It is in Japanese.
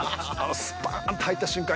スパーンと入った瞬間